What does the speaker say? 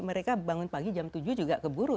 mereka bangun pagi jam tujuh juga keburu